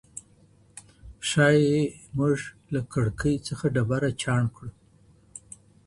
ښایي موږ له کړکۍ څخه ډبره چاڼ کړو.